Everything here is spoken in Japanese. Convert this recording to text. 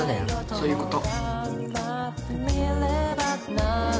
そういうこと。